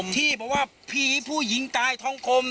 ที่บอกว่าผีผู้หญิงตายท้องกลม